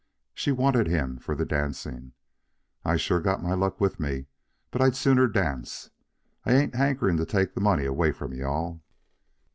She wanted him for the dancing. "I sure got my luck with me, but I'd sooner dance. I ain't hankerin' to take the money away from you all."